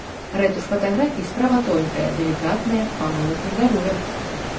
Рэтуш фатаграфій справа тонкая, далікатная, памылак не даруе.